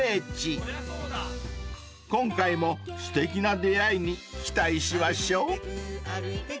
［今回もすてきな出会いに期待しましょう］